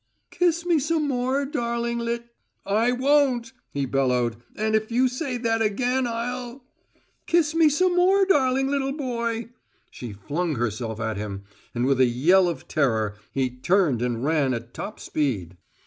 "Kiss me some more, darling lit " "I won't!" he bellowed. "And if you say that again I'll " "Kiss me some more, darling little boy!" She flung herself at him, and with a yell of terror he turned and ran at top speed.